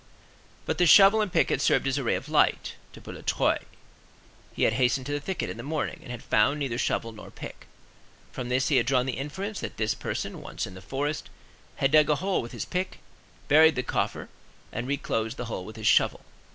But the shovel and pick had served as a ray of light to Boulatruelle; he had hastened to the thicket in the morning, and had found neither shovel nor pick. From this he had drawn the inference that this person, once in the forest, had dug a hole with his pick, buried the coffer, and reclosed the hole with his shovel.